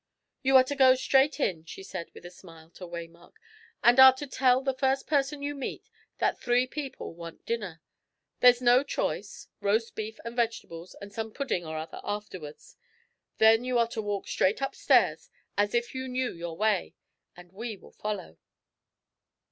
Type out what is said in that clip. "You are to go straight in," she said, with a smile, to Waymark, "and are to tell the first person you meet that three people want dinner. There's no choice roast beef and vegetables, and some pudding or other afterwards. Then you are to walk straight upstairs, as if you knew your way, and we will follow."